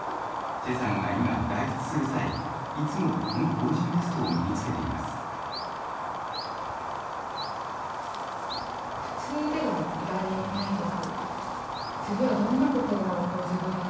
チェさんは今、外出する際、いつもこの防刃ベストを身につけています。